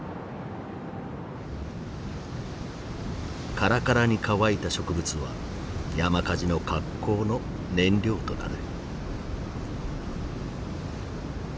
カラカラに乾いた植物は山火事の格好の燃料となる。